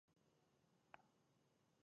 ډېر خلک پیسې د اړتیا وړ توکو لپاره راټولوي